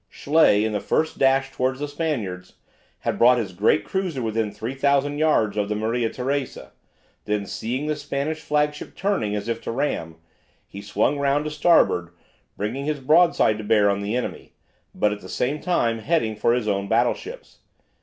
Schley, in the first dash towards the Spaniards, had brought his great cruiser within 3000 yards of the "Maria Teresa," then seeing the Spanish flagship turning, as if to ram, he swung round to starboard, bringing his broadside to bear on the enemy, but at the same time heading for his own battleships.